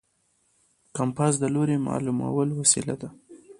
کمپاس د لوري معلومولو وسیله ده.